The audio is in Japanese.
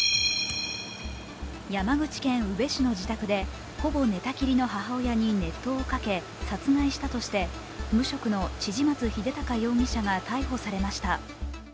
山口県宇部市の自宅でほぼ寝たきりの母親に熱湯をかけ殺害したとして無職の千々松秀高容疑者が逮捕されました。